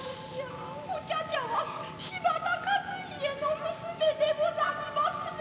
お茶々は柴田勝家の娘でござりまする。